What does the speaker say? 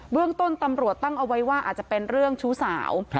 เรื่องต้นตำรวจตั้งเอาไว้ว่าอาจจะเป็นเรื่องชู้สาว